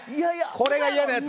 これが嫌なやつ。